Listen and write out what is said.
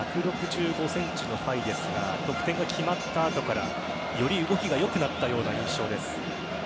１６５ｃｍのファイですが得点が決まったあとからより動きが良くなったような印象。